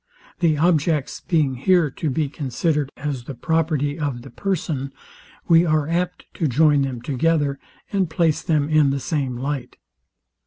The objects being here to be considered as the property of the person, we are apt to join them together, and place them in the same light.